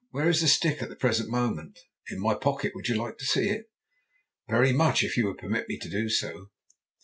Where is the stick at the present moment?" "In my pocket. Would you like to see it?" "Very much, if you would permit me to do so."